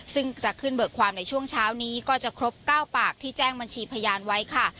ซึ่งจะขึ้นเบิกความในช่วงเช้านี้ก็จะครบ๙ปากที่แจ้งบัญชีพยานไว้ค่ะ